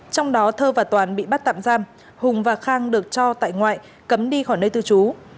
trong đó thơ và toàn bị bắt tạm giam hùng và khang được cho tại ngoại cấm đi khỏi nơi cư trú